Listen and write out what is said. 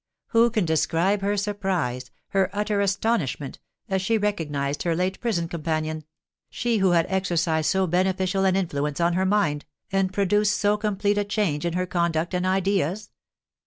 Who can describe her surprise, her utter astonishment, as she recognised her late prison companion, she who had exercised so beneficial an influence on her mind, and produced so complete a change in her conduct and ideas?